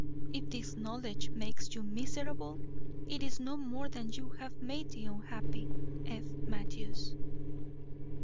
"If this knowledge makes you miserable, it is no more than you have made the unhappy F. MATTHEWS."